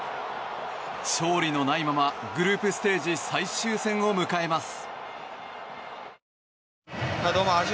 勝利のないままグループステージ最終戦を迎えます。